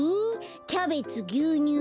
キャベツぎゅうにゅう